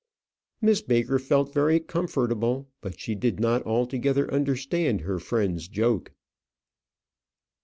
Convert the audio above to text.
Miss Baker felt very comfortable, but she did not altogether understand her friend's joke.